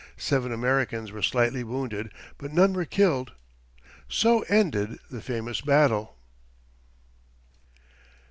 Seven Americans were slightly wounded, but none were killed. So ended this famous battle.